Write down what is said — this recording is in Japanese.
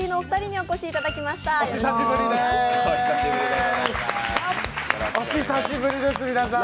お久しぶりです皆さん。